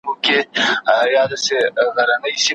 ويل كښېنه د كور مخي ته جنجال دئ